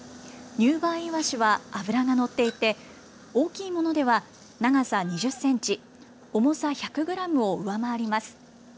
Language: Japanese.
入梅いわしは脂が乗っていて大きいものでは長さ２０センチ、重さ１００グラムを上回ります。